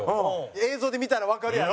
映像で見たらわかるやろ。